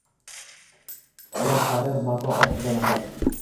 Olar harir mato ostida nafas